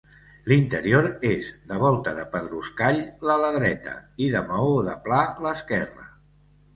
L'interior és de volta de pedruscall l'ala dreta i de maó de pla l'esquerra.